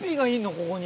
ここに。